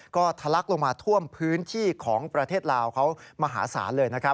ก็ทะลักลงมาท่วมพื้นที่ของประเทศลาวเขามหาศาลเลยนะครับ